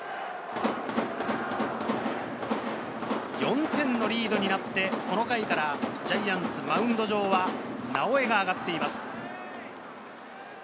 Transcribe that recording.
４点のリードになって、この回からジャイアンツ、マウンド上は直江が上がっています。